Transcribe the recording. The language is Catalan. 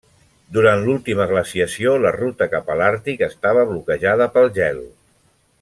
Durant l'última glaciació, la ruta cap a l'Àrtic estava bloquejada pel gel.